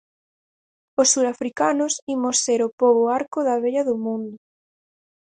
Os surafricanos imos ser o pobo arco da vella do mundo.